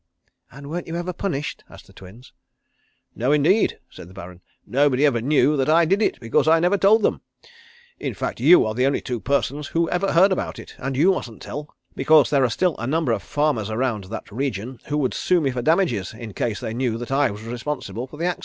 "And weren't you ever punished?" asked the Twins. "No, indeed," said the Baron. "Nobody ever knew that I did it because I never told them. In fact you are the only two persons who ever heard about it, and you mustn't tell, because there are still a number of farmers around that region who would sue me for damages in case they knew that I was responsible for the accident."